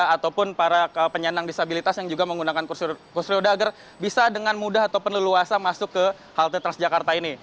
ataupun para penyandang disabilitas yang juga menggunakan kursi roda agar bisa dengan mudah ataupun leluasa masuk ke halte transjakarta ini